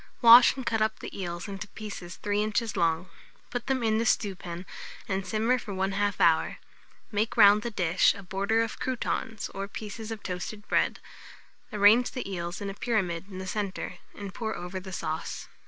Wash, and cut up the eels into pieces 3 inches long; put them in the stewpan, and simmer for 1/2 hour. Make round the dish, a border of croutons, or pieces of toasted bread; arrange the eels in a pyramid in the centre, and pour over the sauce.